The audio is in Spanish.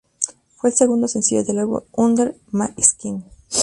Fue el segundo sencillo del álbum "Under My Skin".